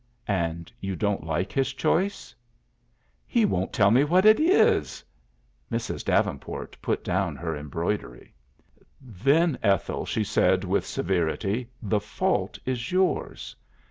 "And you don't like his choice?" "He won't tell me what it is!" Mrs. Davenport put down her embroidery. "Then, Ethel," she laid with severity, "the fault is yours.